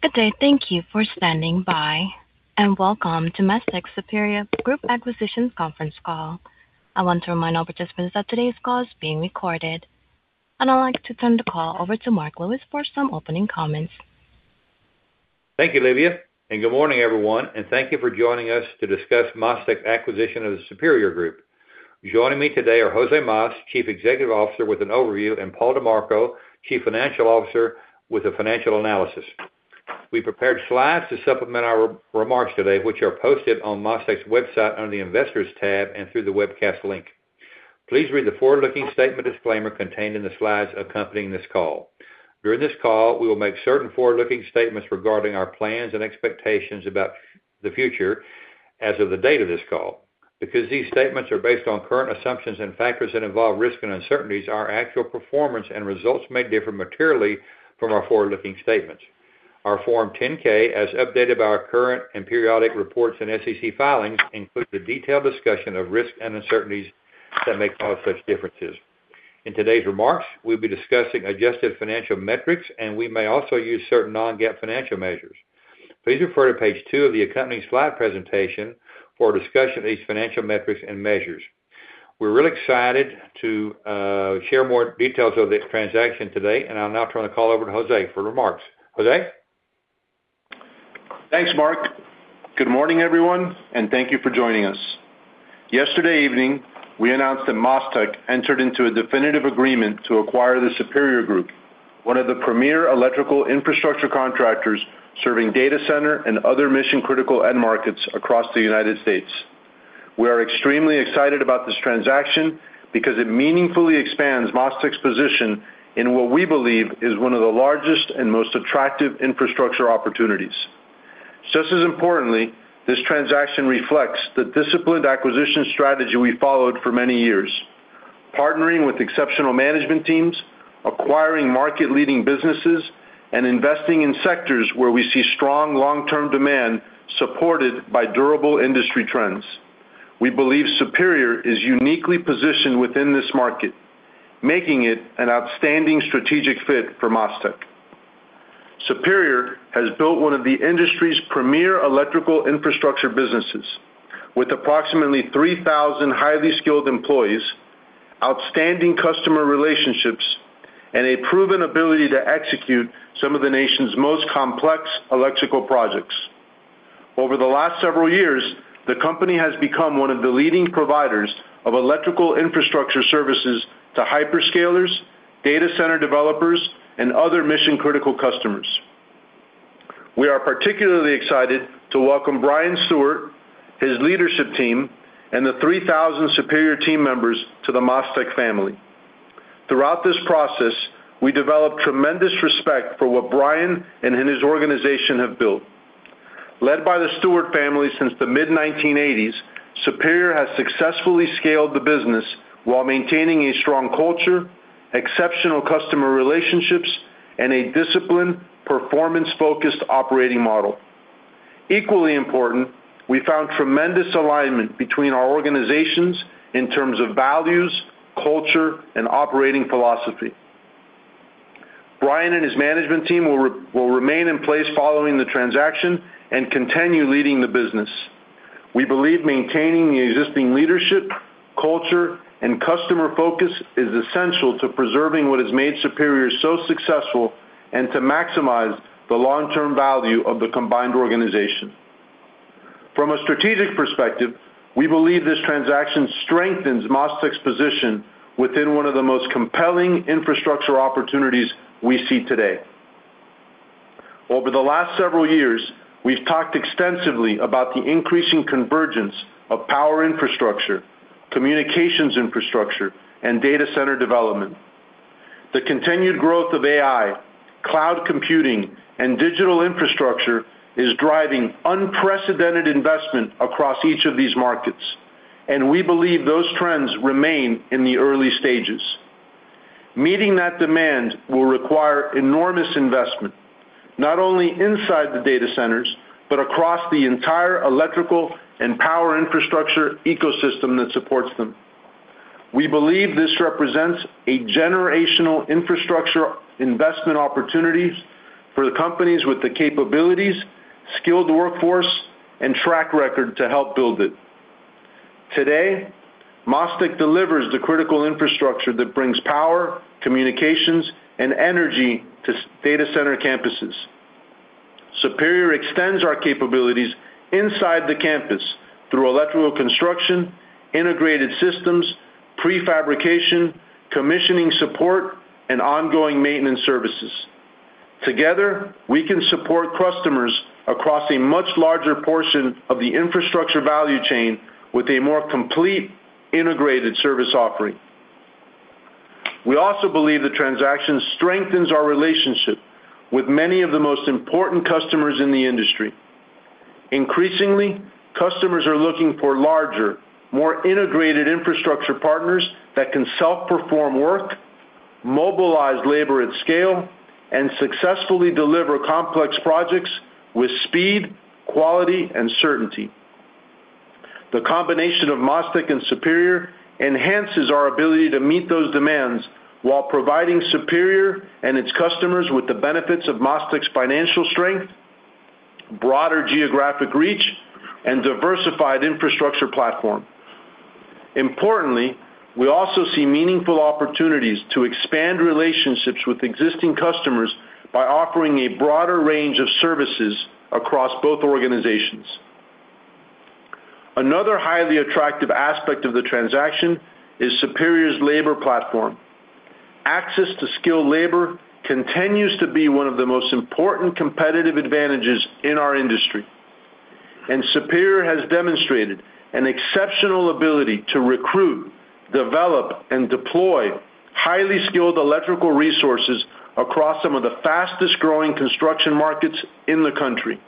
Good day. Thank you for standing by, and welcome to MasTec Superior Group Acquisitions conference call. I want to remind all participants that today's call is being recorded. I'd like to turn the call over to Marc Lewis for some opening comments. Thank you, Olivia. Good morning, everyone, and thank you for joining us to discuss MasTec acquisition of The Superior Group. Joining me today are Jose Mas, Chief Executive Officer, with an overview, and Paul DiMarco, Chief Financial Officer, with a financial analysis. We prepared slides to supplement our remarks today, which are posted on MasTec's website under the Investors tab and through the webcast link. Please read the forward-looking statement disclaimer contained in the slides accompanying this call. During this call, we will make certain forward-looking statements regarding our plans and expectations about the future as of the date of this call. Because these statements are based on current assumptions and factors that involve risk and uncertainties, our actual performance and results may differ materially from our forward-looking statements. Our Form 10-K, as updated by our current and periodic reports and SEC filings, include the detailed discussion of risks and uncertainties that may cause such differences. In today's remarks, we'll be discussing adjusted financial metrics. We may also use certain non-GAAP financial measures. Please refer to page two of the accompanying slide presentation for a discussion of these financial metrics and measures. We're really excited to share more details of this transaction today. I'll now turn the call over to Jose for remarks. Jose? Thanks, Marc. Good morning, everyone, and thank you for joining us. Yesterday evening, we announced that MasTec entered into a definitive agreement to acquire The Superior Group, one of the premier electrical infrastructure contractors serving data center and other mission-critical end markets across the U.S. We are extremely excited about this transaction because it meaningfully expands MasTec's position in what we believe is one of the largest and most attractive infrastructure opportunities. Just as importantly, this transaction reflects the disciplined acquisition strategy we followed for many years, partnering with exceptional management teams, acquiring market-leading businesses, and investing in sectors where we see strong long-term demand supported by durable industry trends. We believe Superior is uniquely positioned within this market, making it an outstanding strategic fit for MasTec. Superior has built one of the industry's premier electrical infrastructure businesses with approximately 3,000 highly skilled employees, outstanding customer relationships, and a proven ability to execute some of the nation's most complex electrical projects. Over the last several years, the company has become one of the leading providers of electrical infrastructure services to hyperscalers, data center developers, and other mission-critical customers. We are particularly excited to welcome Bryan Stewart, his leadership team, and the 3,000 Superior team members to the MasTec family. Throughout this process, we developed tremendous respect for what Bryan and his organization have built. Led by the Stewart family since the mid-1980s, Superior has successfully scaled the business while maintaining a strong culture, exceptional customer relationships, and a disciplined, performance-focused operating model. Equally important, we found tremendous alignment between our organizations in terms of values, culture, and operating philosophy. Bryan and his management team will remain in place following the transaction and continue leading the business. We believe maintaining the existing leadership, culture, and customer focus is essential to preserving what has made Superior so successful and to maximize the long-term value of the combined organization. From a strategic perspective, we believe this transaction strengthens MasTec's position within one of the most compelling infrastructure opportunities we see today. Over the last several years, we've talked extensively about the increasing convergence of power infrastructure, communications infrastructure, and data center development. The continued growth of AI, cloud computing, and digital infrastructure is driving unprecedented investment across each of these markets, and we believe those trends remain in the early stages. Meeting that demand will require enormous investment, not only inside the data centers but across the entire electrical and power infrastructure ecosystem that supports them. We believe this represents a generational infrastructure investment opportunity for the companies with the capabilities, skilled workforce, and track record to help build it. Today, MasTec delivers the critical infrastructure that brings power, communications, and energy to data center campuses. Superior extends our capabilities inside the campus through electrical construction, integrated systems, prefabrication, commissioning support, and ongoing maintenance services. Together, we can support customers across a much larger portion of the infrastructure value chain with a more complete, integrated service offering. We also believe the transaction strengthens our relationship with many of the most important customers in the industry. Increasingly, customers are looking for larger, more integrated infrastructure partners that can self-perform work, mobilize labor at scale, and successfully deliver complex projects with speed, quality, and certainty. The combination of MasTec and Superior enhances our ability to meet those demands while providing Superior and its customers with the benefits of MasTec's financial strength, broader geographic reach, and diversified infrastructure platform. Importantly, we also see meaningful opportunities to expand relationships with existing customers by offering a broader range of services across both organizations. Another highly attractive aspect of the transaction is Superior's labor platform. Access to skilled labor continues to be one of the most important competitive advantages in our industry. Superior has demonstrated an exceptional ability to recruit, develop, and deploy highly skilled electrical resources across some of the fastest-growing construction markets in the country.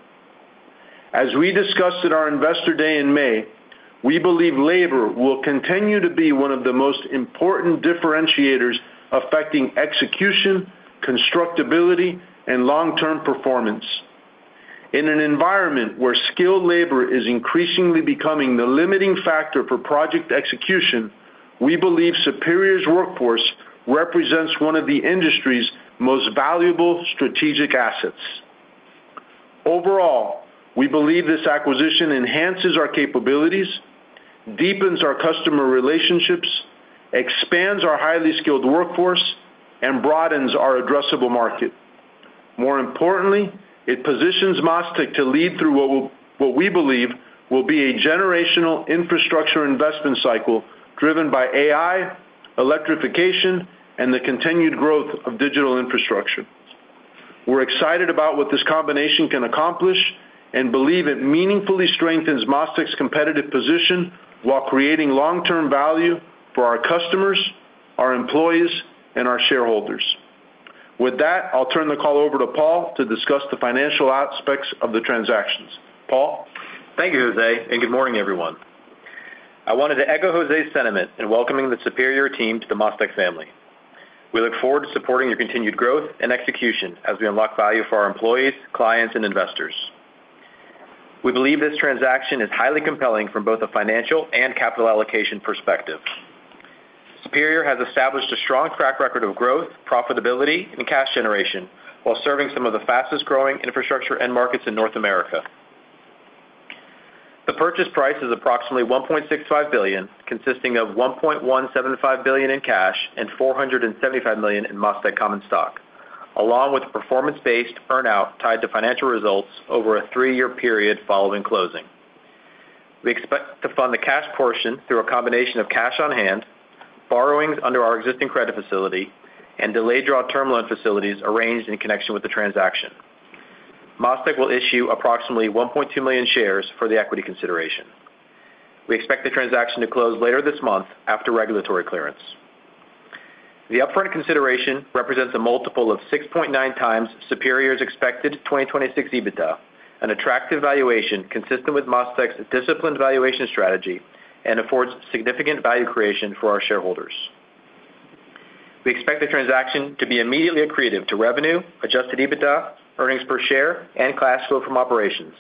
As we discussed at our investor day in May, we believe labor will continue to be one of the most important differentiators affecting execution, constructability, and long-term performance. In an environment where skilled labor is increasingly becoming the limiting factor for project execution, we believe Superior's workforce represents one of the industry's most valuable strategic assets. Overall, we believe this acquisition enhances our capabilities, deepens our customer relationships, expands our highly skilled workforce, and broadens our addressable market. More importantly, it positions MasTec to lead through what we believe will be a generational infrastructure investment cycle driven by AI, electrification, and the continued growth of digital infrastructure. We're excited about what this combination can accomplish and believe it meaningfully strengthens MasTec's competitive position while creating long-term value for our customers, our employees, and our shareholders. With that, I'll turn the call over to Paul to discuss the financial aspects of the transactions. Paul? Thank you, Jose. Good morning, everyone. I wanted to echo Jose's sentiment in welcoming the Superior team to the MasTec family. We look forward to supporting your continued growth and execution as we unlock value for our employees, clients, and investors. We believe this transaction is highly compelling from both a financial and capital allocation perspective. Superior has established a strong track record of growth, profitability, and cash generation while serving some of the fastest-growing infrastructure end markets in North America. The purchase price is approximately $1.65 billion, consisting of $1.175 billion in cash and $475 million in MasTec common stock, along with performance-based earn-out tied to financial results over a three-year period following closing. We expect to fund the cash portion through a combination of cash on hand, borrowings under our existing credit facility, and delayed draw term loan facilities arranged in connection with the transaction. MasTec will issue approximately 1.2 million shares for the equity consideration. We expect the transaction to close later this month after regulatory clearance. The upfront consideration represents a multiple of 6.9x Superior's expected 2026 EBITDA, an attractive valuation consistent with MasTec's disciplined valuation strategy and affords significant value creation for our shareholders. We expect the transaction to be immediately accretive to revenue, adjusted EBITDA, earnings per share, and cash flow from operations.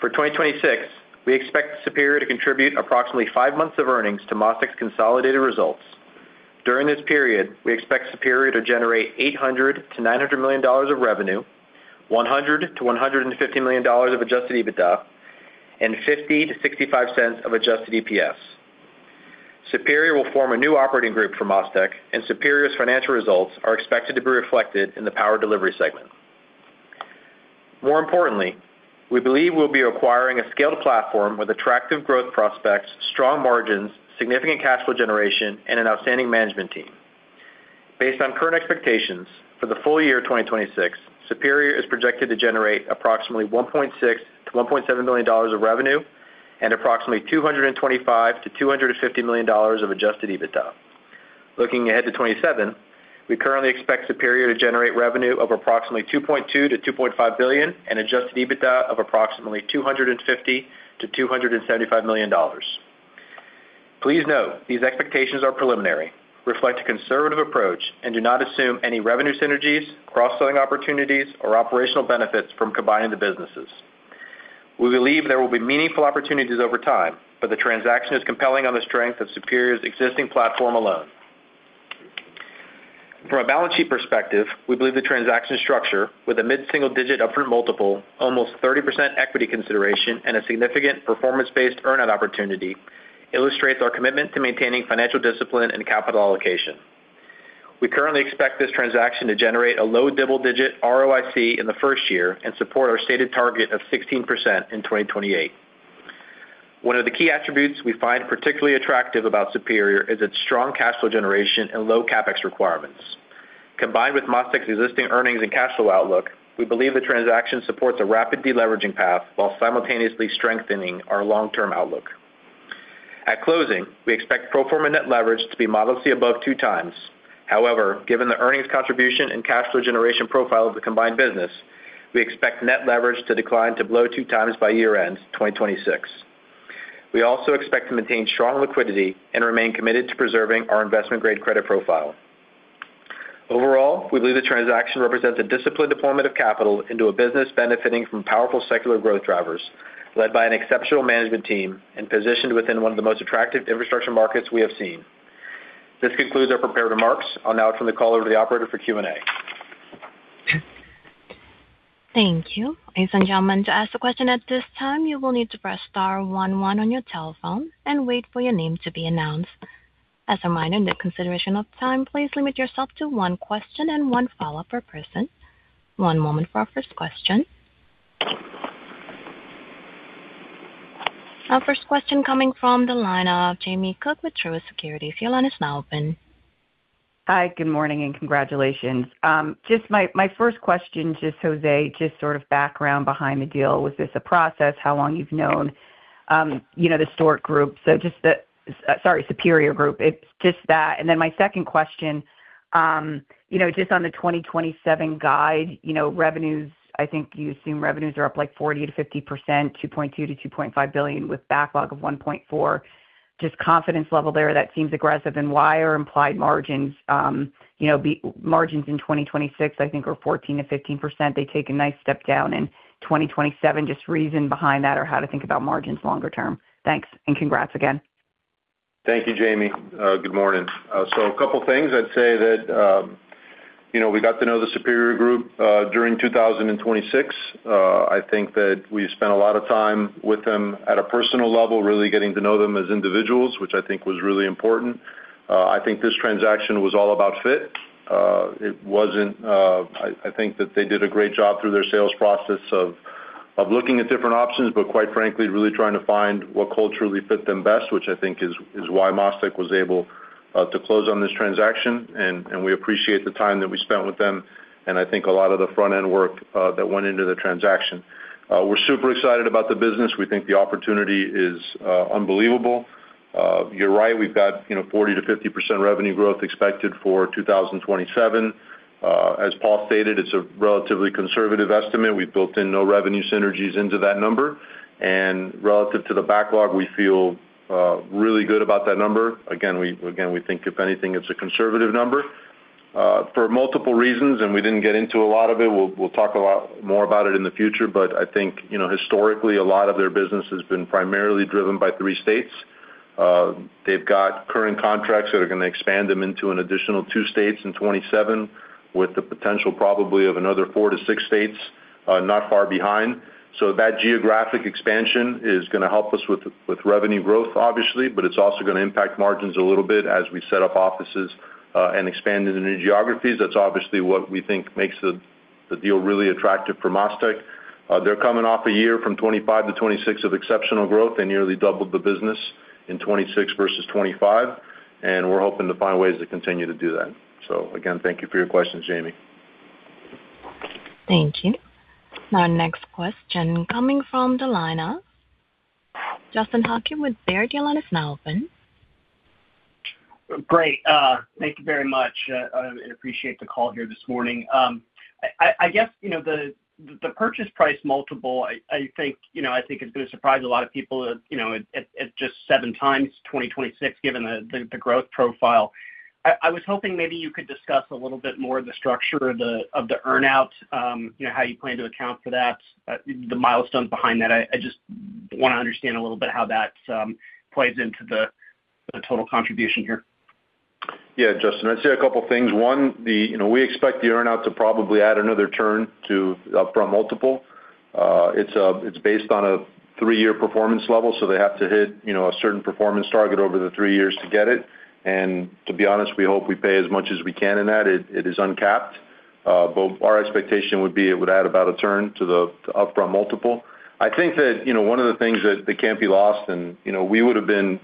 For 2026, we expect Superior to contribute approximately five months of earnings to MasTec's consolidated results. During this period, we expect Superior to generate $800 million to $900 million of revenue, $100 million to $150 million of adjusted EBITDA, and $0.50 to $0.65 of adjusted EPS. Superior will form a new operating group for MasTec, and Superior's financial results are expected to be reflected in the Power Delivery segment. More importantly, we believe we'll be acquiring a scaled platform with attractive growth prospects, strong margins, significant cash flow generation, and an outstanding management team. Based on current expectations for the full year 2026, Superior is projected to generate approximately $1.6 billion to $1.7 billion of revenue and approximately $225 million to $250 million of adjusted EBITDA. Looking ahead to 2027, we currently expect Superior to generate revenue of approximately $2.2 billion to $2.5 billion and adjusted EBITDA of approximately $250 million to $275 million. Please note, these expectations are preliminary, reflect a conservative approach, and do not assume any revenue synergies, cross-selling opportunities, or operational benefits from combining the businesses. We believe there will be meaningful opportunities over time, but the transaction is compelling on the strength of Superior's existing platform alone. From a balance sheet perspective, we believe the transaction structure with a mid-single-digit upfront multiple, almost 30% equity consideration, and a significant performance-based earn-out opportunity illustrates our commitment to maintaining financial discipline and capital allocation. We currently expect this transaction to generate a low double-digit ROIC in the first year and support our stated target of 16% in 2028. One of the key attributes we find particularly attractive about Superior is its strong cash flow generation and low CapEx requirements. Combined with MasTec's existing earnings and cash flow outlook, we believe the transaction supports a rapid de-leveraging path while simultaneously strengthening our long-term outlook. At closing, we expect pro forma net leverage to be modestly above two times. However, given the earnings contribution and cash flow generation profile of the combined business, we expect net leverage to decline to below 2x by year-end 2026. We also expect to maintain strong liquidity and remain committed to preserving our investment-grade credit profile. Overall, we believe the transaction represents a disciplined deployment of capital into a business benefiting from powerful secular growth drivers, led by an exceptional management team, and positioned within one of the most attractive infrastructure markets we have seen. This concludes our prepared remarks. I will now turn the call over to the operator for Q&A. Thank you. Ladies and gentlemen, to ask a question at this time, you will need to press star one one on your telephone and wait for your name to be announced. As a reminder, in the consideration of time, please limit yourself to one question and one follow-up per person. One moment for our first question. Our first question coming from the line of Jamie Cook with Truist Securities. Your line is now open. Hi, good morning and congratulations. My first question to Jose, just sort of background behind the deal. Was this a process? How long you've known the Stewart family, sorry, The Superior Group? It's just that. My second question, just on the 2027 guide, revenues, I think you assume revenues are up 40%-50%, $2.2 billion-$2.5 billion with backlog of $1.4 billion. Just confidence level there, that seems aggressive. Why are implied margins in 2026, I think, are 14%-15%? They take a nice step down in 2027. Just reason behind that or how to think about margins longer term. Thanks, and congrats again. Thank you, Jamie. Good morning. A couple things I'd say that we got to know The Superior Group, during 2026. I think that we spent a lot of time with them at a personal level, really getting to know them as individuals, which I think was really important. I think this transaction was all about fit. I think that they did a great job through their sales process of looking at different options, but quite frankly, really trying to find what culturally fit them best, which I think is why MasTec was able to close on this transaction, and we appreciate the time that we spent with them and I think a lot of the front-end work that went into the transaction. We're super excited about the business. We think the opportunity is unbelievable. You're right, we've got 40%-50% revenue growth expected for 2027. As Paul stated, it's a relatively conservative estimate. We've built in no revenue synergies into that number, relative to the backlog, we feel really good about that number. Again, we think if anything, it's a conservative number. For multiple reasons, we didn't get into a lot of it, we'll talk a lot more about it in the future, but I think historically, a lot of their business has been primarily driven by three states. They've got current contracts that are going to expand them into an additional two states in 2027, with the potential probably of another four to six states, not far behind. That geographic expansion is going to help us with revenue growth, obviously, but it's also going to impact margins a little bit as we set up offices, and expand into new geographies. That's obviously what we think makes the deal really attractive for MasTec. They're coming off a year from 2025 to 2026 of exceptional growth. They nearly doubled the business in 2026 versus 2025, and we're hoping to find ways to continue to do that. Again, thank you for your questions, Jamie. Thank you. Our next question coming from the line of Justin Hauke with Baird. Your line is now open. Great. Thank you very much, appreciate the call here this morning. I guess, the purchase price multiple, I think it's going to surprise a lot of people at just 7x 2026, given the growth profile. I was hoping maybe you could discuss a little bit more of the structure of the earn-out, how you plan to account for that, the milestones behind that. I just want to understand a little bit how that plays into the total contribution here. Yeah, Justin, I'd say a couple of things. One, we expect the earn-out to probably add another turn to upfront multiple. It's based on a three-year performance level, so they have to hit a certain performance target over the three years to get it. To be honest, we hope we pay as much as we can in that. It is uncapped. Our expectation would be it would add about a turn to the upfront multiple. I think that one of the things that can't be lost, we would've been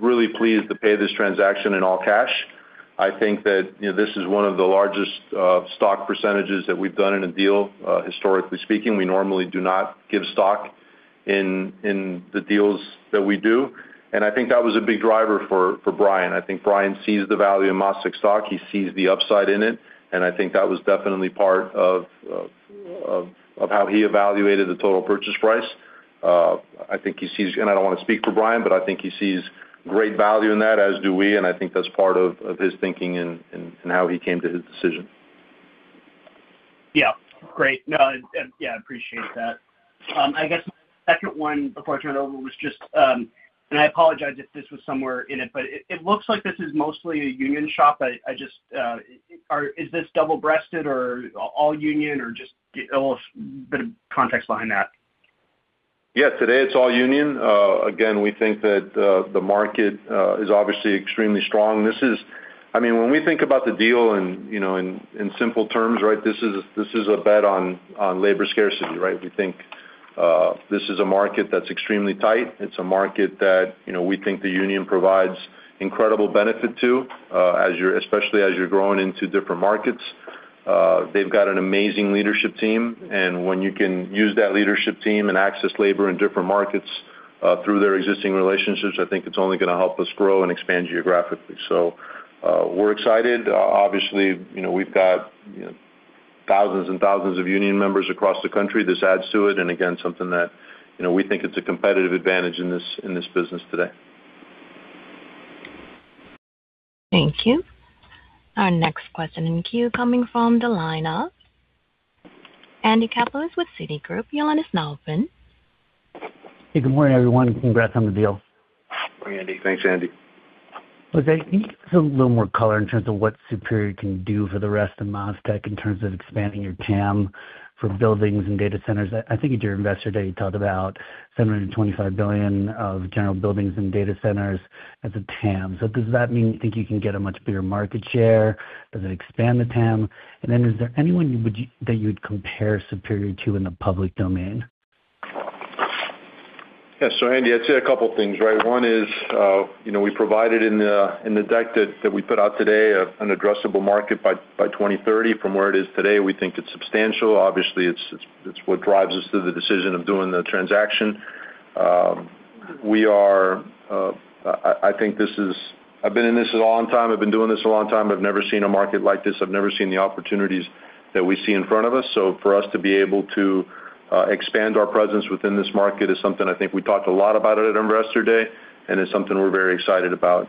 really pleased to pay this transaction in all cash. I think that this is one of the largest stock percentages that we've done in a deal, historically speaking. We normally do not give stock in the deals that we do, I think that was a big driver for Bryan. I think Bryan sees the value in MasTec stock. He sees the upside in it, I think that was definitely part of how he evaluated the total purchase price. I think he sees, I don't want to speak for Bryan, I think he sees great value in that, as do we, I think that's part of his thinking in how he came to his decision. Yeah. Great. No, I appreciate that. I guess my second one before I turn it over was just, and I apologize if this was somewhere in it, but it looks like this is mostly a union shop. Is this double-breasted or all union or just a little bit of context behind that? Yeah. Today it's all union. Again, we think that the market is obviously extremely strong. When we think about the deal in simple terms, this is a bet on labor scarcity. We think this is a market that's extremely tight. It's a market that we think the union provides incredible benefit to, especially as you're growing into different markets. They've got an amazing leadership team, and when you can use that leadership team and access labor in different markets through their existing relationships, I think it's only going to help us grow and expand geographically. We're excited. Obviously, we've got thousands and thousands of union members across the country. This adds to it, and again, something that we think it's a competitive advantage in this business today. Thank you. Our next question in queue coming from the line of Andy Kaplowitz with Citigroup. Your line is now open. Hey, good morning, everyone. Congrats on the deal. Morning, Andy. Thanks, Andy. Jose, can you give us a little more color in terms of what Superior can do for the rest of MasTec in terms of expanding your TAM for buildings and data centers? I think at your Investor Day, you talked about $725 billion of general buildings and data centers as a TAM. Does that mean you think you can get a much bigger market share? Does it expand the TAM? Is there anyone that you'd compare Superior to in the public domain? Yeah. Andy, I'd say a couple of things, right? One is, we provided in the deck that we put out today an addressable market by 2030 from where it is today. We think it's substantial. Obviously, it's what drives us to the decision of doing the transaction. I've been in this a long time. I've been doing this a long time. I've never seen a market like this. I've never seen the opportunities that we see in front of us. For us to be able to expand our presence within this market is something I think we talked a lot about at Investor Day, and it's something we're very excited about.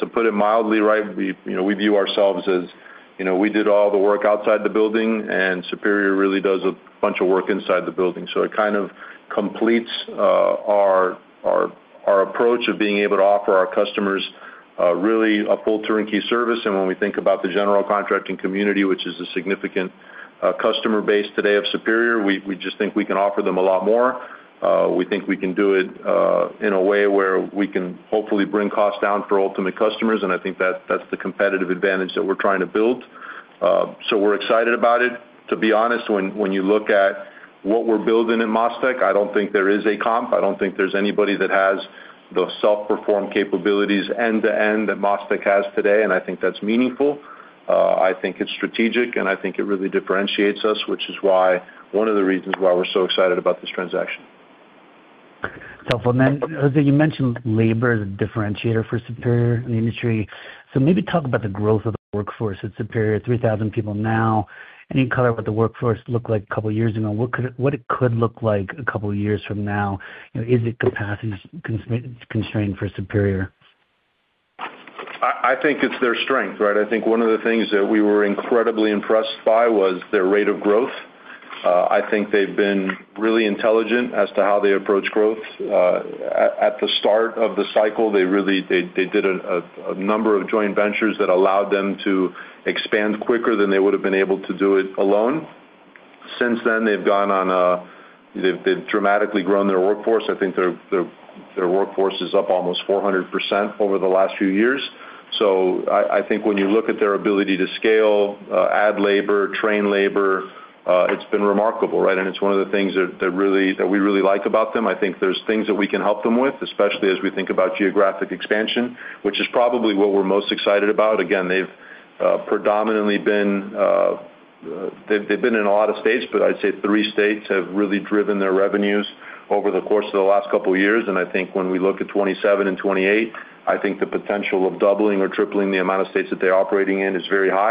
To put it mildly, we view ourselves as we did all the work outside the building, and Superior really does a bunch of work inside the building. It kind of completes our approach of being able to offer our customers really a full turnkey service. When we think about the general contracting community, which is a significant customer base today of Superior, we just think we can offer them a lot more. We think we can do it in a way where we can hopefully bring costs down for ultimate customers. I think that's the competitive advantage that we're trying to build. We're excited about it. To be honest, when you look at what we're building at MasTec, I don't think there is a comp. I don't think there's anybody that has the self-performed capabilities end to end that MasTec has today, and I think that's meaningful. I think it's strategic, and I think it really differentiates us, which is one of the reasons why we're so excited about this transaction. It's helpful. Jose, you mentioned labor as a differentiator for Superior in the industry. Maybe talk about the growth of the workforce at Superior, 3,000 people now. Any color what the workforce looked like a couple of years ago, and what it could look like a couple of years from now? Is it capacity constrained for Superior? I think it's their strength, right? I think one of the things that we were incredibly impressed by was their rate of growth. I think they've been really intelligent as to how they approach growth. At the start of the cycle, they did a number of joint ventures that allowed them to expand quicker than they would've been able to do it alone. Since then, they've dramatically grown their workforce. I think their workforce is up almost 400% over the last few years. I think when you look at their ability to scale, add labor, train labor, it's been remarkable, right? It's one of the things that we really like about them. I think there's things that we can help them with, especially as we think about geographic expansion, which is probably what we're most excited about. Again, they've been in a lot of states, but I'd say three states have really driven their revenues over the course of the last couple of years. I think when we look at 2027 and 2028, I think the potential of doubling or tripling the amount of states that they're operating in is very high.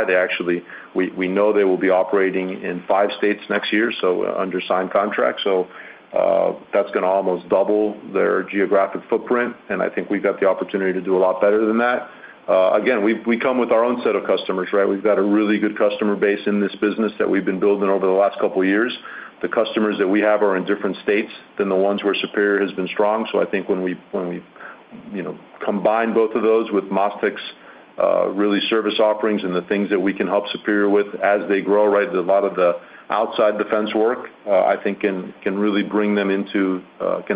We know they will be operating in five states next year, so under signed contract. That's going to almost double their geographic footprint, and I think we've got the opportunity to do a lot better than that. Again, we come with our own set of customers, right? We've got a really good customer base in this business that we've been building over the last couple of years. The customers that we have are in different states than the ones where Superior has been strong. I think when we combine both of those with MasTec's really service offerings and the things that we can help Superior with as they grow, right, a lot of the outside the fence work I think can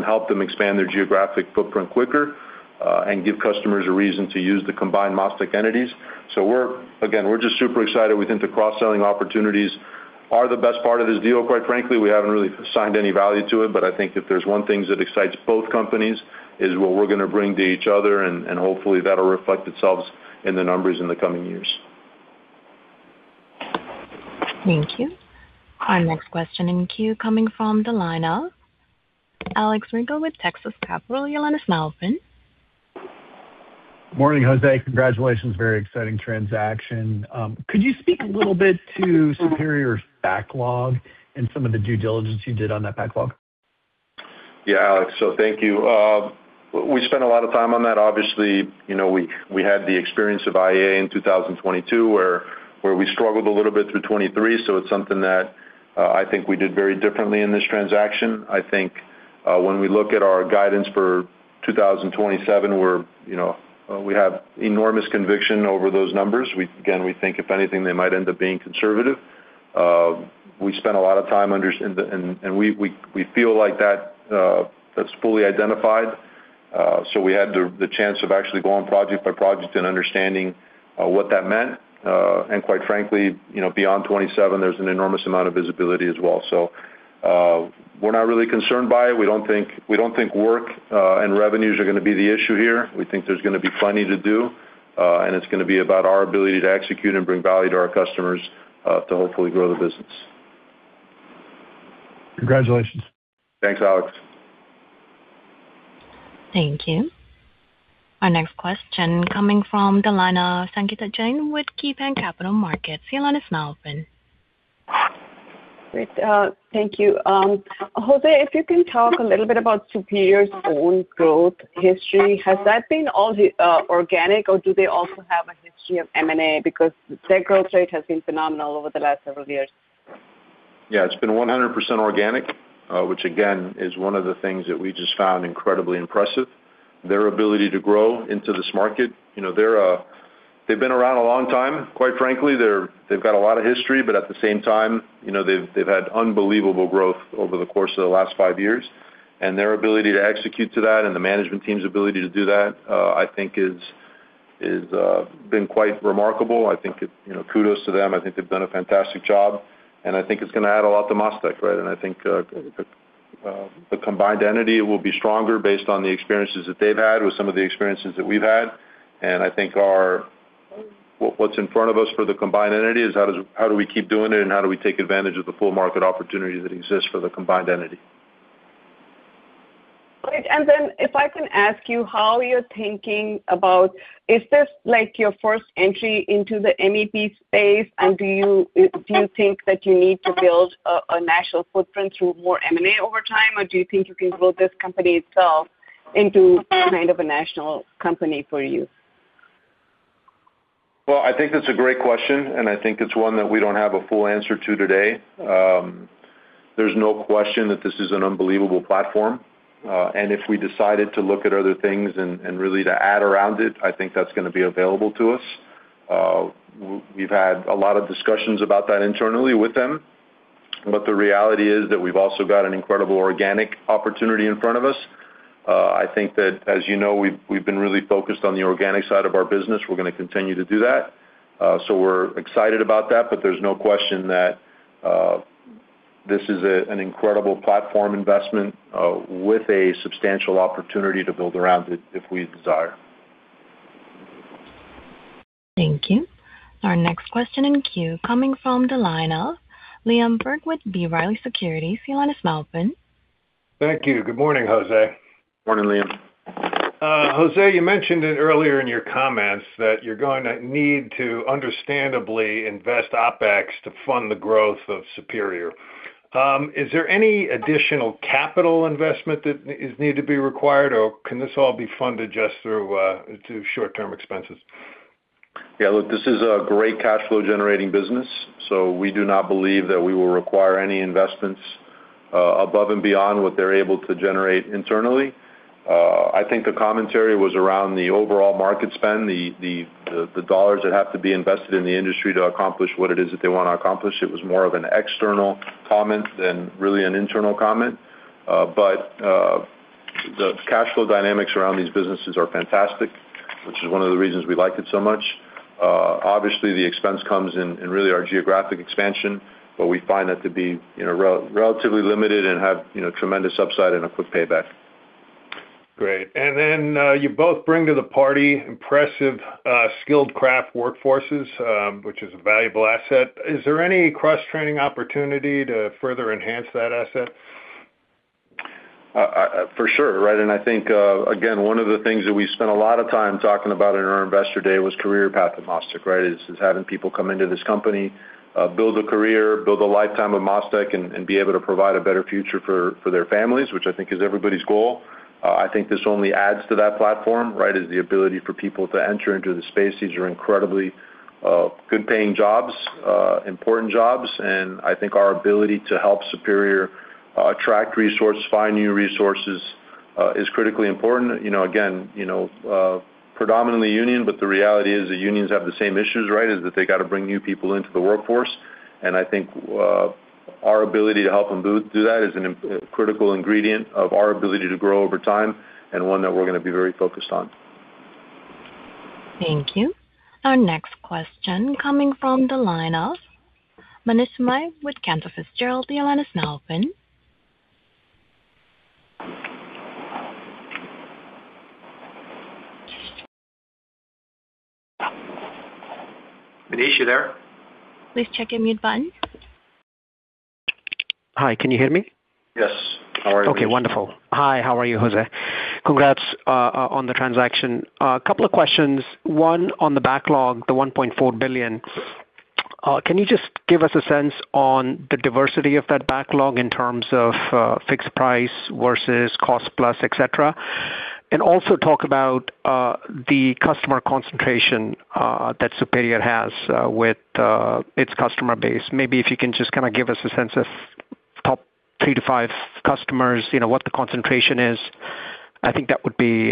help them expand their geographic footprint quicker and give customers a reason to use the combined MasTec entities. Again, we're just super excited. We think the cross-selling opportunities are the best part of this deal, quite frankly. We haven't really assigned any value to it, but I think if there's one thing that excites both companies is what we're going to bring to each other, and hopefully, that'll reflect itself in the numbers in the coming years. Thank you. Our next question in queue coming from the line of Alex Rygiel with Texas Capital. Your line is now open. Morning, Jose. Congratulations. Very exciting transaction. Could you speak a little bit to Superior's backlog and some of the due diligence you did on that backlog? Yeah, Alex. Thank you. We spent a lot of time on that. Obviously, we had the experience of IEA in 2022 where we struggled a little bit through 2023, it's something that I think we did very differently in this transaction. I think when we look at our guidance for 2027, we have enormous conviction over those numbers. Again, we think if anything, they might end up being conservative. We feel like that's fully identified. We had the chance of actually going project by project and understanding what that meant. Quite frankly, beyond 2027, there's an enormous amount of visibility as well. We're not really concerned by it. We don't think work and revenues are going to be the issue here. We think there's going to be plenty to do. It's going to be about our ability to execute and bring value to our customers to hopefully grow the business. Congratulations. Thanks, Alex. Thank you. Our next question coming from the line of Sangita Jain with KeyBanc Capital Markets. Your line is now open. Great. Thank you. Jose, if you can talk a little bit about Superior's own growth history. Has that been all organic, or do they also have a history of M&A? Because their growth rate has been phenomenal over the last several years. Yeah. It's been 100% organic, which again, is one of the things that we just found incredibly impressive, their ability to grow into this market. They've been around a long time, quite frankly. They've got a lot of history, but at the same time, they've had unbelievable growth over the course of the last five years. Their ability to execute to that and the management team's ability to do that, I think is been quite remarkable. Kudos to them. I think they've done a fantastic job, and I think it's going to add a lot to MasTec. I think the combined entity will be stronger based on the experiences that they've had with some of the experiences that we've had. I think what's in front of us for the combined entity is how do we keep doing it and how do we take advantage of the full market opportunity that exists for the combined entity. Great. If I can ask you how you're thinking about, is this your first entry into the MEP space, and do you think that you need to build a national footprint through more M&A over time, or do you think you can build this company itself into kind of a national company for you? I think that's a great question, and I think it's one that we don't have a full answer to today. There's no question that this is an unbelievable platform. If we decided to look at other things and really to add around it, I think that's going to be available to us. We've had a lot of discussions about that internally with them. The reality is that we've also got an incredible organic opportunity in front of us. I think that, as you know, we've been really focused on the organic side of our business. We're going to continue to do that. We're excited about that, but there's no question that this is an incredible platform investment with a substantial opportunity to build around it if we desire. Thank you. Our next question in queue coming from the line of Liam Burke with B. Riley Securities. Your line is now open. Thank you. Good morning, Jose. Morning, Liam. Jose, you mentioned it earlier in your comments that you're going to need to understandably invest OpEx to fund the growth of Superior. Is there any additional capital investment that is needed to be required, or can this all be funded just through short-term expenses? Yeah, look, this is a great cash flow generating business. We do not believe that we will require any investments above and beyond what they're able to generate internally. I think the commentary was around the overall market spend, the dollars that have to be invested in the industry to accomplish what it is that they want to accomplish. It was more of an external comment than really an internal comment. The cash flow dynamics around these businesses are fantastic, which is one of the reasons we liked it so much. Obviously, the expense comes in really our geographic expansion, but we find that to be relatively limited and have tremendous upside and a quick payback. Great. Then you both bring to the party impressive skilled craft workforces, which is a valuable asset. Is there any cross-training opportunity to further enhance that asset? For sure. I think, again, one of the things that we spent a lot of time talking about in our Investor Day was career path at MasTec. Is having people come into this company, build a career, build a lifetime of MasTec, and be able to provide a better future for their families, which I think is everybody's goal. I think this only adds to that platform. Is the ability for people to enter into the space. These are incredibly good paying jobs, important jobs, and I think our ability to help Superior attract resources, find new resources is critically important. Again, predominantly union, the reality is that unions have the same issues. Is that they got to bring new people into the workforce. I think our ability to help them do that is a critical ingredient of our ability to grow over time and one that we're going to be very focused on. Thank you. Our next question coming from the line of Manish [Mike] with Cantor Fitzgerald. Your line is now open. Manish, you there? Please check your mute button. Hi, can you hear me? Yes. How are you, Manish? Okay, wonderful. Hi, how are you, Jose? Congrats on the transaction. A couple of questions. One on the backlog, the $1.4 billion. Can you just give us a sense on the diversity of that backlog in terms of fixed price versus cost plus, et cetera? Also talk about the customer concentration that Superior has with its customer base. Maybe if you can just kind of give us a sense of top three to five customers, what the concentration is. I think that would be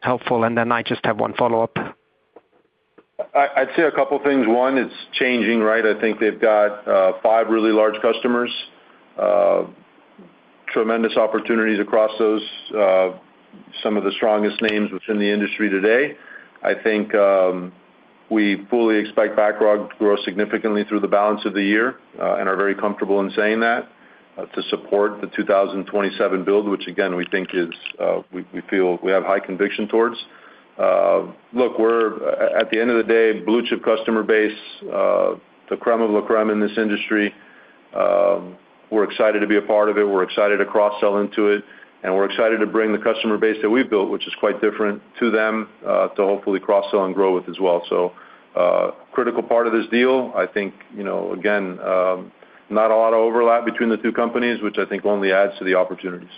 helpful, then I just have one follow-up. I'd say a couple things. One, it's changing. I think they've got five really large customers. Tremendous opportunities across those, some of the strongest names within the industry today. I think we fully expect backlog to grow significantly through the balance of the year and are very comfortable in saying that to support the 2027 build, which again, we feel we have high conviction towards. Look, at the end of the day, blue-chip customer base, the crème of the crème in this industry. We're excited to be a part of it, we're excited to cross-sell into it, and we're excited to bring the customer base that we've built, which is quite different to them, to hopefully cross-sell and grow with as well. Critical part of this deal. I think, again, not a lot of overlap between the two companies, which I think only adds to the opportunities.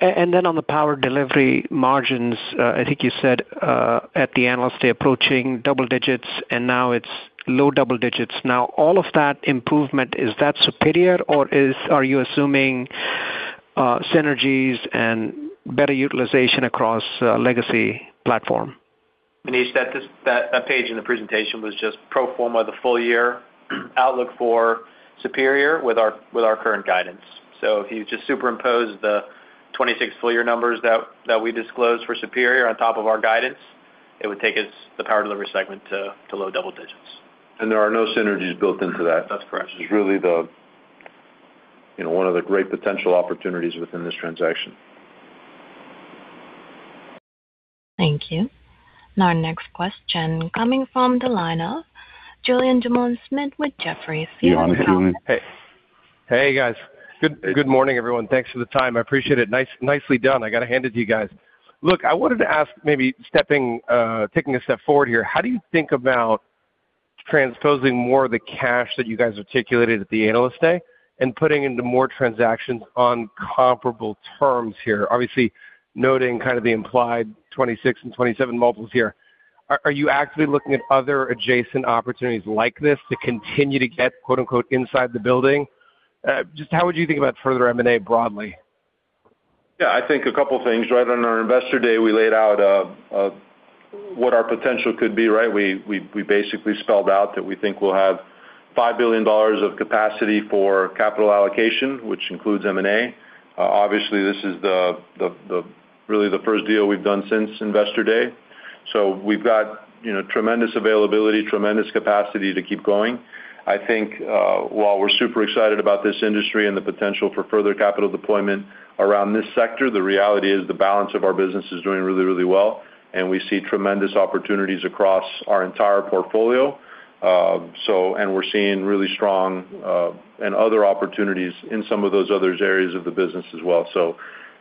Then on the Power Delivery margins, I think you said at the Analyst Day approaching double digits, and now it's low double digits. All of that improvement, is that Superior or are you assuming synergies and better utilization across legacy platform? Manish, that page in the presentation was just pro forma, the full year outlook for Superior with our current guidance. If you just superimpose the 2026 full year numbers that we disclosed for Superior on top of our guidance, it would take us, the Power Delivery segment, to low double digits. There are no synergies built into that. That's correct. This is really one of the great potential opportunities within this transaction. Thank you. Our next question coming from the line of Julien Dumoulin-Smith with Jefferies. Your line is now open. Hey, guys. Good morning, everyone. Thanks for the time. I appreciate it. Nicely done. I got to hand it to you guys. Look, I wanted to ask, maybe taking a step forward here, how do you think about transposing more of the cash that you guys articulated at the Analyst Day and putting into more transactions on comparable terms here? Obviously, noting kind of the implied 26 and 27 multiples here. Are you actively looking at other adjacent opportunities like this to continue to get, quote unquote, inside the building? Just how would you think about further M&A broadly? I think a couple things, right? On our Investor Day, we laid out what our potential could be, right? We basically spelled out that we think we'll have $5 billion of capacity for capital allocation, which includes M&A. Obviously, this is really the first deal we've done since Investor Day. We've got tremendous availability, tremendous capacity to keep going. I think while we're super excited about this industry and the potential for further capital deployment around this sector, the reality is the balance of our business is doing really well, and we see tremendous opportunities across our entire portfolio. We're seeing really strong and other opportunities in some of those other areas of the business as well.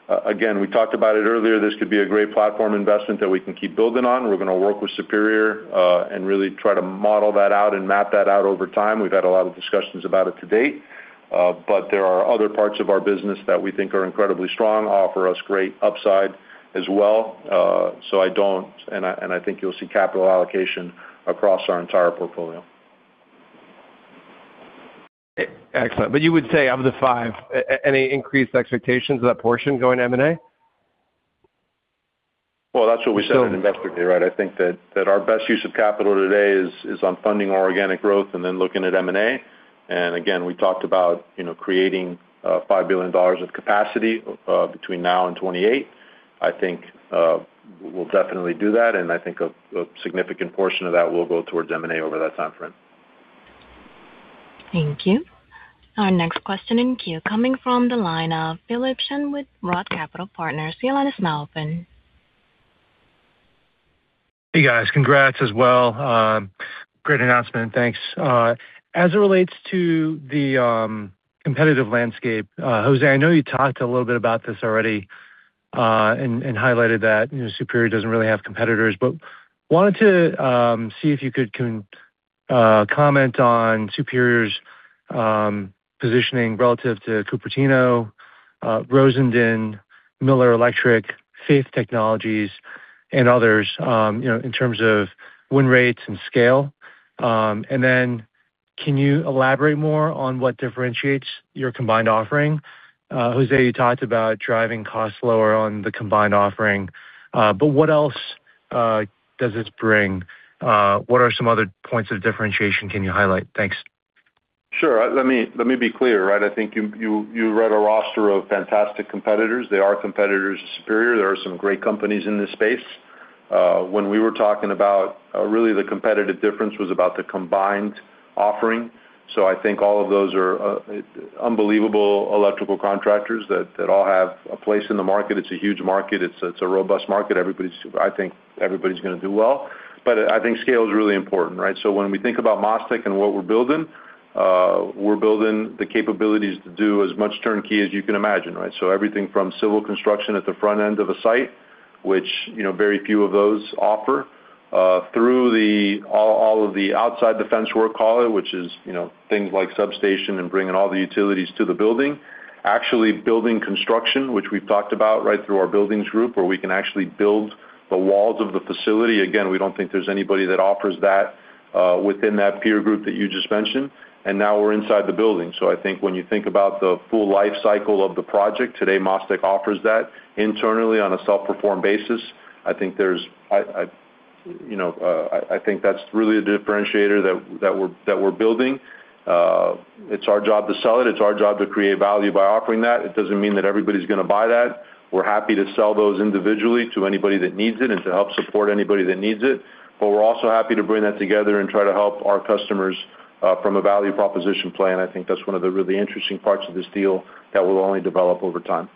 Again, we talked about it earlier. This could be a great platform investment that we can keep building on. We're going to work with Superior, and really try to model that out and map that out over time. We've had a lot of discussions about it to date. There are other parts of our business that we think are incredibly strong, offer us great upside as well. I think you'll see capital allocation across our entire portfolio. Excellent. You would say out of the five, any increased expectations of that portion going M&A? Well, that's what we said at Investor Day, right? I think that our best use of capital today is on funding our organic growth then looking at M&A. Again, we talked about creating $5 billion of capacity between now and 2028. I think, we'll definitely do that, I think a significant portion of that will go towards M&A over that time frame. Thank you. Our next question in queue coming from the line of Phillip Chen with Roth Capital Partners. Your line is now open. Hey, guys. Congrats as well. Great announcement. Thanks. As it relates to the competitive landscape, Jose, I know you talked a little bit about this already, highlighted that Superior doesn't really have competitors. Wanted to see if you could comment on Superior's positioning relative to Cupertino, Rosendin, Miller Electric, Faith Technologies, and others, in terms of win rates and scale. Then can you elaborate more on what differentiates your combined offering? Jose, you talked about driving costs lower on the combined offering, what else does this bring? What are some other points of differentiation can you highlight? Thanks. Sure. Let me be clear, right? I think you read a roster of fantastic competitors. They are competitors to Superior. There are some great companies in this space. When we were talking about really the competitive difference was about the combined offering. I think all of those are unbelievable electrical contractors that all have a place in the market. It's a huge market. It's a robust market. I think everybody's going to do well. I think scale is really important, right? When we think about MasTec and what we're building, we're building the capabilities to do as much turnkey as you can imagine, right? Everything from civil construction at the front end of a site, which very few of those offer, through all of the outside the fence work call, which is things like substation and bringing all the utilities to the building. Actually building construction, which we've talked about right through our buildings group, where we can actually build the walls of the facility. Again, we don't think there's anybody that offers that within that peer group that you just mentioned. Now we're inside the building. I think when you think about the full life cycle of the project, today MasTec offers that internally on a self-performed basis. I think that's really a differentiator that we're building. It's our job to sell it. It's our job to create value by offering that. It doesn't mean that everybody's going to buy that. We're happy to sell those individually to anybody that needs it and to help support anybody that needs it. We're also happy to bring that together and try to help our customers, from a value proposition plan. I think that's one of the really interesting parts of this deal that will only develop over time.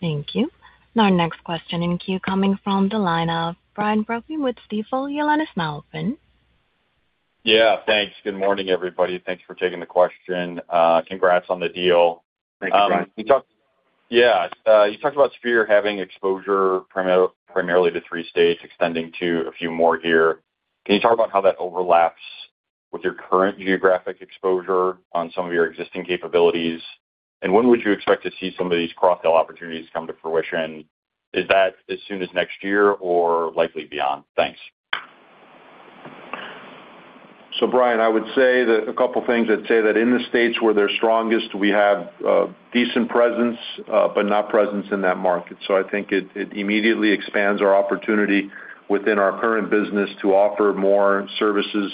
Thank you. Our next question in queue coming from the line of Brian Brophy with Stifel. Your line is now open. Yeah. Thanks. Good morning, everybody. Thanks for taking the question. Congrats on the deal. Thanks, Brian. Yeah. You talked about Superior having exposure primarily to three states extending to a few more here. Can you talk about how that overlaps with your current geographic exposure on some of your existing capabilities? When would you expect to see some of these cross-sell opportunities come to fruition? Is that as soon as next year or likely beyond? Thanks. Brian, I would say that a couple of things. I'd say that in the states where they're strongest, we have a decent presence, but not presence in that market. I think it immediately expands our opportunity within our current business to offer more services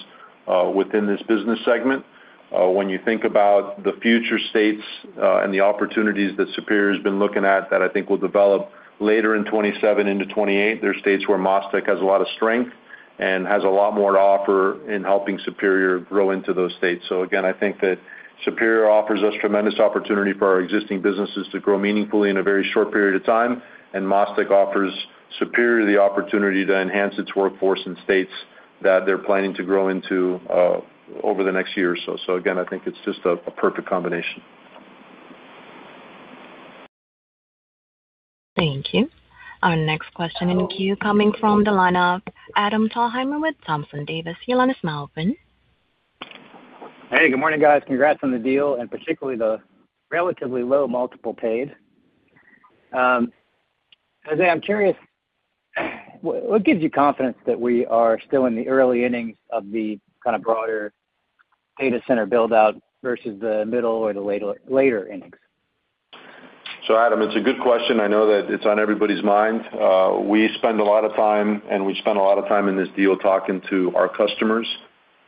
within this business segment. When you think about the future states, and the opportunities that Superior's been looking at that I think will develop later in 2027 into 2028, they're states where MasTec has a lot of strength and has a lot more to offer in helping Superior grow into those states. Again, I think that Superior offers us tremendous opportunity for our existing businesses to grow meaningfully in a very short period of time, and MasTec offers Superior the opportunity to enhance its workforce in states that they're planning to grow into over the next year or so. Again, I think it's just a perfect combination. Thank you. Our next question in the queue coming from the line of Adam Thalhimer with Thompson Davis. Your line is now open. Hey, good morning, guys. Congrats on the deal, particularly the relatively low multiple paid. Jose, I'm curious, what gives you confidence that we are still in the early innings of the kind of broader data center build-out versus the middle or the later innings? Adam, it's a good question. I know that it's on everybody's mind. We spend a lot of time, we spent a lot of time in this deal talking to our customers,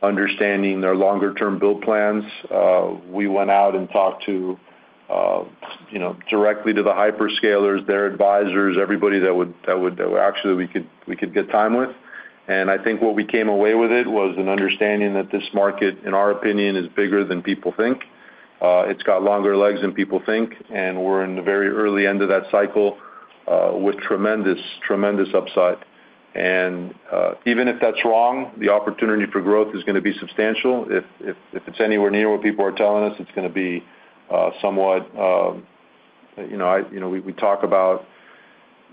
understanding their longer term build plans. We went out and talked directly to the hyperscalers, their advisors, everybody that actually we could get time with. I think what we came away with it was an understanding that this market, in our opinion, is bigger than people think. It's got longer legs than people think, and we're in the very early end of that cycle, with tremendous upside. Even if that's wrong, the opportunity for growth is going to be substantial. If it's anywhere near what people are telling us, we talk about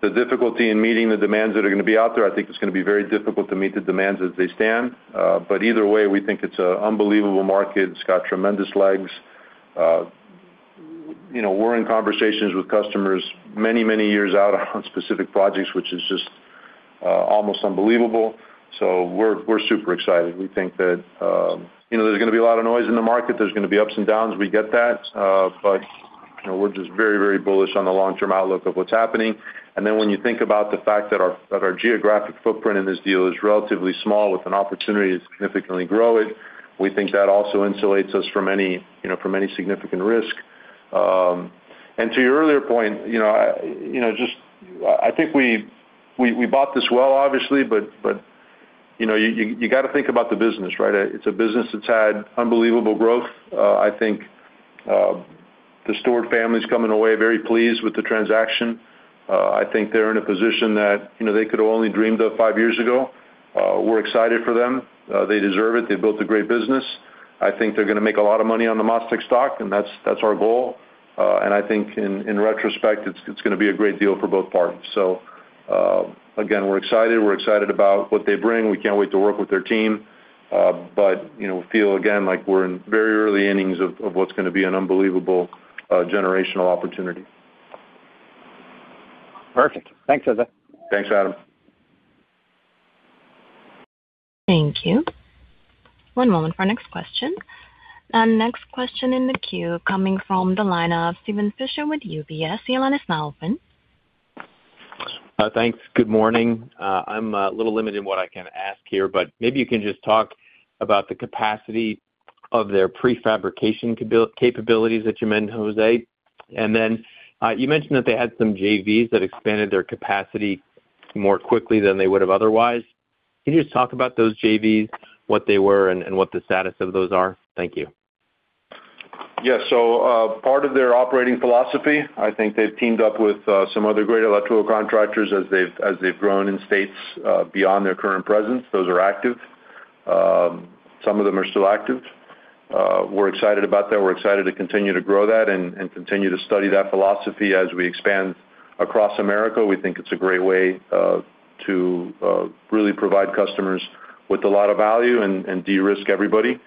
the difficulty in meeting the demands that are going to be out there. I think it's going to be very difficult to meet the demands as they stand. Either way, we think it's an unbelievable market. It's got tremendous legs. We're in conversations with customers many years out on specific projects, which is just almost unbelievable. We're super excited. We think that there's going to be a lot of noise in the market. There's going to be ups and downs, we get that. We're just very bullish on the long-term outlook of what's happening. When you think about the fact that our geographic footprint in this deal is relatively small with an opportunity that's significantly growing, we think that also insulates us from any significant risk. To your earlier point, I think we bought this well, obviously, but you got to think about the business, right? It's a business that's had unbelievable growth. I think the Stewart family's coming away very pleased with the transaction. I think they're in a position that they could've only dreamed of five years ago. We're excited for them. They deserve it. They built a great business. I think they're going to make a lot of money on the MasTec stock, and that's our goal. I think in retrospect, it's going to be a great deal for both parties. Again, we're excited. We're excited about what they bring. We can't wait to work with their team. We feel, again, like we're in very early innings of what's going to be an unbelievable generational opportunity. Perfect. Thanks, Jose. Thanks, Adam. Thank you. One moment for our next question. Our next question in the queue coming from the line of Steven Fisher with UBS. Your line is now open. Thanks. Good morning. I'm a little limited in what I can ask here, but maybe you can just talk about the capacity of their prefabrication capabilities that you meant, Jose. You mentioned that they had some JVs that expanded their capacity more quickly than they would have otherwise. Can you just talk about those JVs, what they were and what the status of those are? Thank you. Yeah. Part of their operating philosophy, I think they've teamed up with some other great electrical contractors as they've grown in states beyond their current presence. Those are active. Some of them are still active. We're excited about that. We're excited to continue to grow that and continue to study that philosophy as we expand across America. We think it's a great way to really provide customers with a lot of value and de-risk everybody.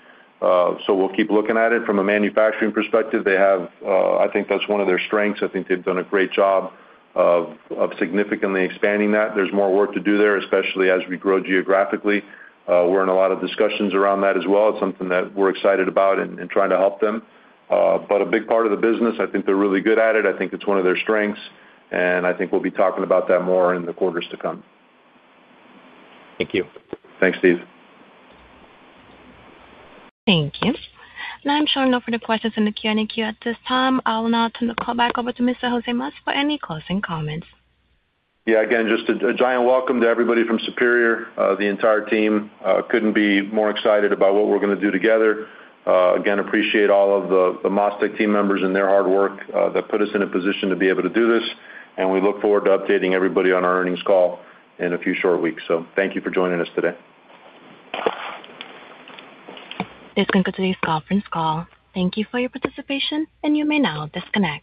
We'll keep looking at it. From a manufacturing perspective, I think that's one of their strengths. I think they've done a great job of significantly expanding that. There's more work to do there, especially as we grow geographically. We're in a lot of discussions around that as well. It's something that we're excited about and trying to help them. A big part of the business, I think they're really good at it. I think it's one of their strengths, and I think we'll be talking about that more in the quarters to come. Thank you. Thanks, Steve. Thank you. Now I'm showing no further questions in the Q&A queue at this time. I will now turn the call back over to Mr. Jose Mas for any closing comments. Again, just a giant welcome to everybody from Superior. The entire team couldn't be more excited about what we're going to do together. Again, appreciate all of the MasTec team members and their hard work that put us in a position to be able to do this. We look forward to updating everybody on our earnings call in a few short weeks. Thank you for joining us today. This concludes today's conference call. Thank you for your participation. You may now disconnect.